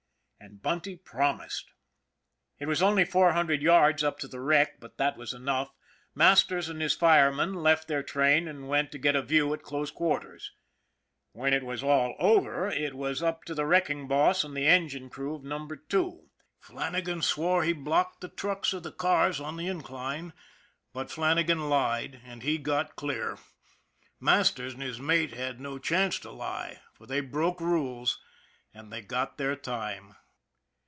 And Bunty promised. It was only four hundred yards up to the wreck ; but that was enough. Masters and his firemen left their train and went to get a view at close quarters. When it was all over, it was up to the wrecking boss and the engine crew of Number Two. Flannagan swore he blocked the trucks of the cars on the incline; but Flannagan lied, and he got clear. Masters and his mate had no chance to lie, for they broke rules, and they got their time.